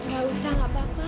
gak usah gak apa apa